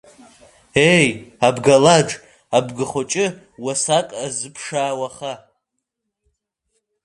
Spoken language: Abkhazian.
Еи, Абгалаџ, Абгахәыҷы уасак азыԥшаа уаха.